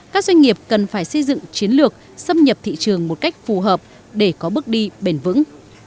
các doanh nghiệp cần phải xây dựng chiến lược xâm nhập thị trường một cách phù hợp để có bước đi bền vững